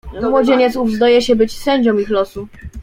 "Młodzieniec ów zdaje się być sędzią ich losu."